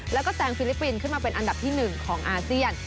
แล้วก็แซงฟิลิปปินส์ขึ้นมาเป็นอันดับที่๑ของอาเซียน